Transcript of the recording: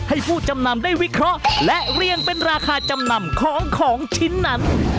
ผู้จำนำได้วิเคราะห์และเรียงเป็นราคาจำนำของของชิ้นนั้น